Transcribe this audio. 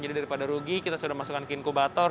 jadi daripada rugi kita sudah masukkan ke inkubator